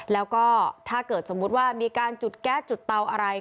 แล้วก็ถ้าเกิดสมมุติว่ามีการจุดแก๊สจุดเตาอะไร